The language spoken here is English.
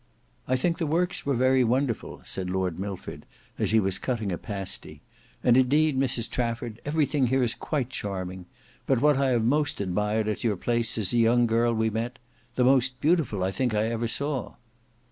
"I think the works were very wonderful," said Lord Milford, as he was cutting a pasty; "and indeed, Mrs Trafford, everything here is quite charming; but what I have most admired at your place is a young girl we met—the most beautiful I think I ever saw."